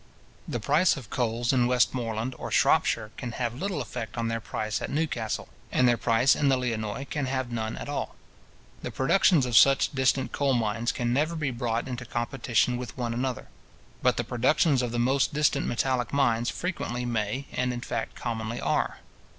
The price of coals in Westmoreland or Shropshire can have little effect on their price at Newcastle; and their price in the Lionnois can have none at all. The productions of such distant coal mines can never be brought into competition with one another. But the productions of the most distant metallic mines frequently may, and in fact commonly are.